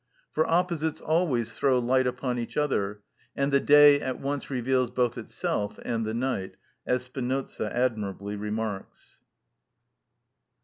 For opposites always throw light upon each other, and the day at once reveals both itself and the night, as Spinoza admirably remarks.